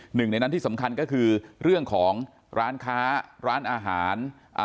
หนึ่งในนั้นที่สำคัญก็คือเรื่องของร้านค้าร้านอาหารอ่า